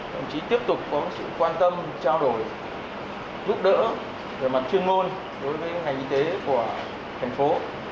đồng chí tiếp tục quan tâm trao đổi giúp đỡ về mặt chuyên môn đối với hành y tế của thành phố